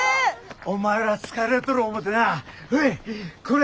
お前ら疲れとる思うてなほいこれ！